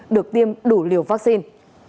được tiêm đủ liều vaccine